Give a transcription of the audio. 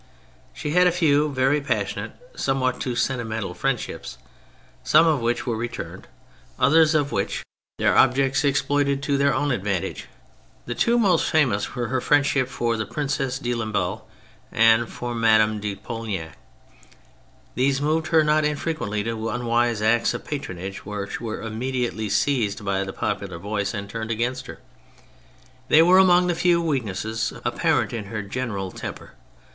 She had a few very passionate and somewhat too sentimental friendships, some of which were returned, others of which their objects THE CHARACTERS 58 exploited to their own advantage. The two most famous were her friendship for the Princess de Lamballe and for Madame de Pohgnac. These moved her not infrequently to unwise acts of patronage which were im mediately seized by the popular voice and turned against her. They were among the few weaknesses apparent in her general tem per.